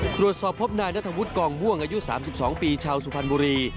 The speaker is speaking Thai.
ตรวจสอบพบนายนัทวุฒิกองม่วงอายุ๓๒ปีชาวสุพรรณบุรี